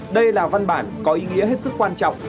đây là văn bản có ý nghĩa hết sức quan trọng